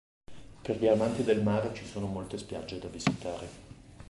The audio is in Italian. Per gli amanti del mare ci sono molte spiagge da visitare.